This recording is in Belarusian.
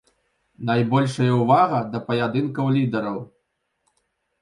Найбольшая ўвага да паядынкаў лідараў.